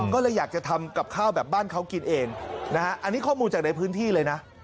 ก็เลยอยากจะทำกับข้าวแบบบ้านเขากินเองนะฮะอันนี้ข้อมูลจากในพื้นที่เลยนะ